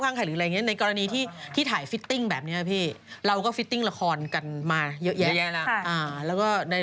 ยังไม่ได้พูดอะไร